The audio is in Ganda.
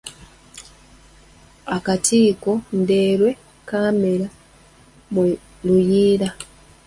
Akatiko Ndeerwe kamera mu luyiira.